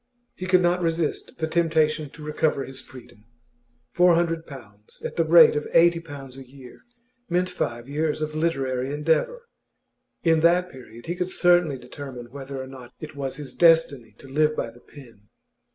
He could not resist the temptation to recover his freedom. Four hundred pounds, at the rate of eighty pounds a year, meant five years of literary endeavour. In that period he could certainly determine whether or not it was his destiny to live by the pen.